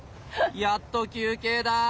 やっと休憩だ。